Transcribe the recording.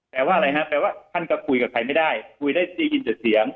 แปลว่าอะไรฮะแปลว่าท่านก็คุยกับใครไม่ได้คุยได้ยินแต่เสียง